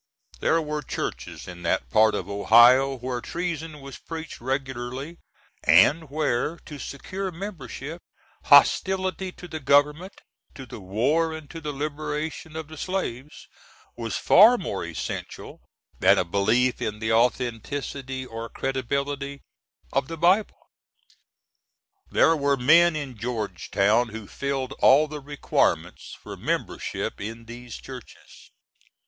There were churches in that part of Ohio where treason was preached regularly, and where, to secure membership, hostility to the government, to the war and to the liberation of the slaves, was far more essential than a belief in the authenticity or credibility of the Bible. There were men in Georgetown who filled all the requirements for membership in these churches.